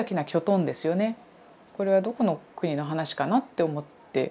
これはどこの国の話かな？って思って。